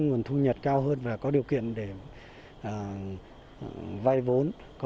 nghỉ tham gia các hoạt động